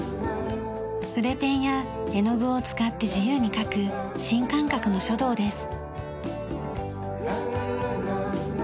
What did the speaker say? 筆ペンや絵の具を使って自由に書く新感覚の書道です。